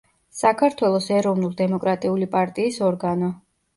საქართველოს ეროვნულ-დემოკრატიული პარტიის ორგანო.